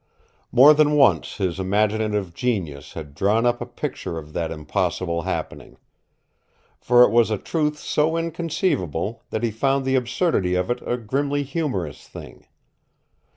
More than once his imaginative genius had drawn up a picture of that impossible happening. For it was a truth so inconceivable that he found the absurdity of it a grimly humorous thing.